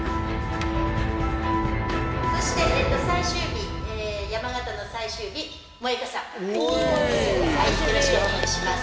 そして最終日山形の最終日はいよろしくお願いします。